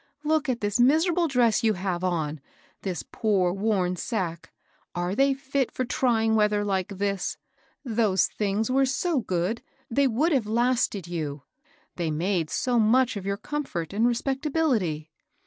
Look at this mis^iiable dress you have on, — this poor worn sack, ^ are they fit for trying weather like this? Those things were so good! they would have lasted you, — they made so much of your comfort and respectability."